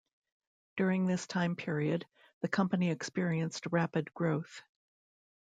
During this time period, the company experienced rapid growth.